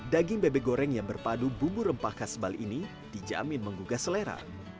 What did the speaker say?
daging bebek goreng yang berpadu bumbu rempah khas bali ini dijamin menggugah selera